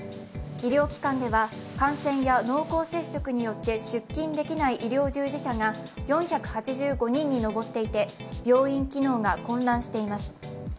医療機関では感染や濃厚接触によって出勤できない医療従事者が４８５人に上っていて病院機能が混乱しています。